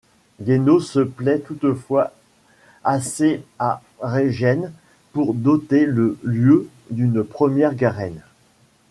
Guénaud se plaît toutefois assez à Régennes pour doter le lieu d'une première garenne.